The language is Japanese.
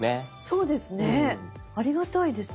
そうですねありがたいです。